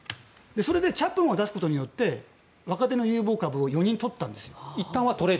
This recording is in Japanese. それでチャップマンを出すことによって若手の有望株を４人とったんです。